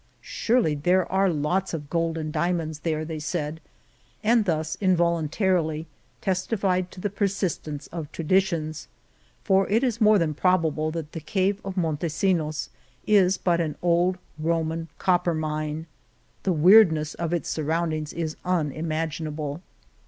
Surely there are lots of gold and diamonds there," they said; and thus involuntarily testified to the persistence of traditions, for it is more than probable that the Cave of Montesinos is but an old Roman copper mine. The weirdness of its surround ings is unimaginable.